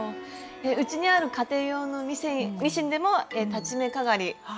うちにある家庭用のミシンでも裁ち目かがりは使えますか？